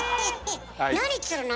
何釣るの？